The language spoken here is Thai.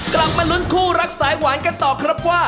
กลับมาลุ้นคู่รักสายหวานกันต่อครับว่า